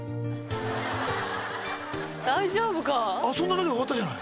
大丈夫か？